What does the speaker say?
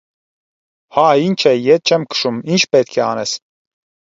- Հա, ի՛նչ է, ետ չե՛մ քշում, ի՛նչ պետք է անես: